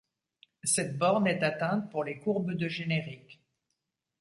Cette borne est atteinte pour les courbes de génériques.